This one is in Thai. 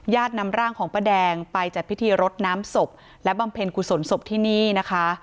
นำร่างของป้าแดงไปจัดพิธีรดน้ำศพและบำเพ็ญกุศลศพที่นี่นะคะ